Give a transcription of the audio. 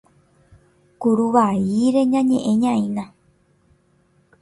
Kuruvaíre ñañe'ẽñaína.